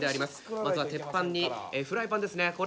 まずは鉄板にフライパンですね